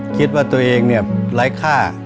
คิดว่าตัวเองเนี่ยไร้ค่า